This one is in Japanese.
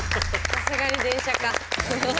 さすがに電車か。